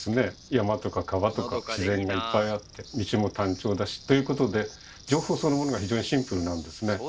山とか川とか自然がいっぱいあって道も単調だしということで情報そのものが非常にシンプルなんですね。